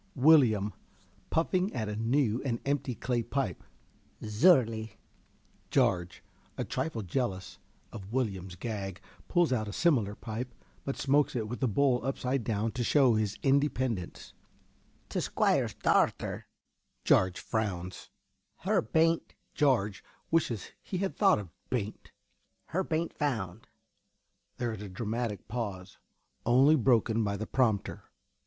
~Willyum~ (puffing at a new and empty clay pipe). Zure lie. (Jarge, a trifle jealous of Willyum's gag, pulls out a similar pipe, but smokes it with the bowl upside down to show his independence.) T' Squire's darter (Jarge frowns) her bain't (Jarge wishes he had thought of "bain't") her bain't found. (_There is a dramatic pause, only broken by the prompter.